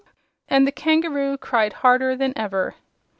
and the kangaroo cried harder than ever.